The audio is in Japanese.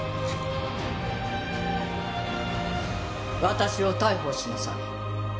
私を逮捕しなさい。